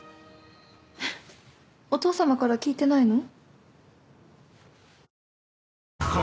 お父様から聞いてないの？